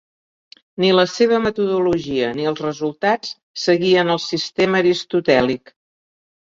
Ni la seva metodologia ni els resultats seguien el sistema aristotèlic.